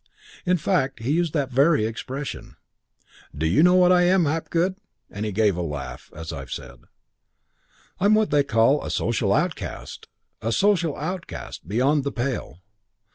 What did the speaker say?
In fact, he used that very expression. 'Do you know what I am, Hapgood?' and he gave a laugh, as I've said. 'I'm what they call a social outcast. A social outcast. Beyond the pale.